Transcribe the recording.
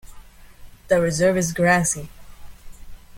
The reserve is grassy.